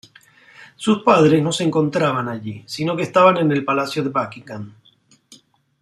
Sus padres no se encontraban allí, sino que estaban en el Palacio de Buckingham.